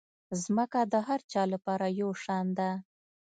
مځکه د هر چا لپاره یو شان ده.